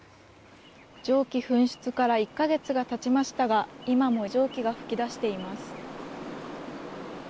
蒸気噴出から１か月が経ちましたが今も蒸気が噴き出しています。